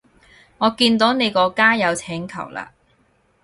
我見到你個加友請求啦